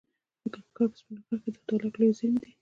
د ننګرهار په سپین غر کې د تالک لویې زیرمې دي.